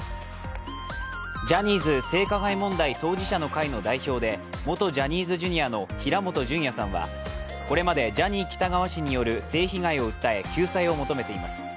ジャニーズ性加害問題当事者の会の代表で元ジャニーズＪｒ．の平本淳也さんはこれまで、ジャニー喜多川氏による性被害を訴え、救済を求めています。